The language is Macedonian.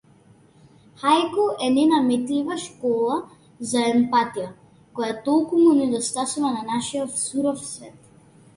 Хаику е ненаметлива школа за емпатија, која толку му недостасува на нашиов суров свет.